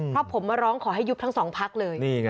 เพราะผมมาร้องขอให้ยุบทั้งสองพักเลย